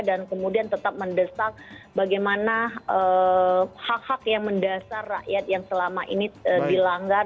dan kemudian tetap mendesak bagaimana hak hak yang mendasar rakyat yang selama ini dilanggar